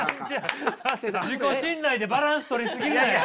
自己信頼でバランス取り過ぎんなや！